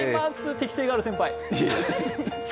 適性がある先輩。